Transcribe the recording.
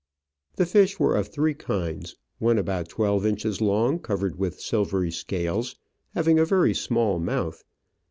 The fish were of three kinds, one about twelve inches long, covered with silvery scales, having a very small mouth.